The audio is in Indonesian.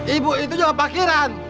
ibu itu juga parkiran